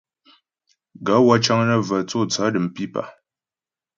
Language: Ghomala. Gaə̌ wə́ cə́ŋ nə́ və tsô tsaə̌ də̀m pípà.